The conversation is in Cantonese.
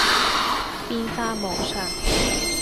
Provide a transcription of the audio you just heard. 變化無常